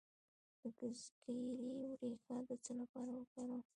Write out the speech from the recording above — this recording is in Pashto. د ګزګیرې ریښه د څه لپاره وکاروم؟